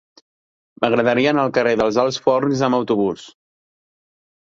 M'agradaria anar al carrer dels Alts Forns amb autobús.